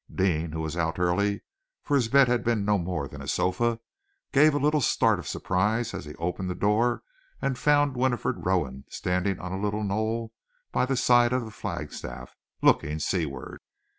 Deane, who was out early, for his bed had been no more than a sofa, gave a little start of surprise as he opened the door and found Winifred Rowan standing on a little knoll by the side of the flagstaff, looking seaward.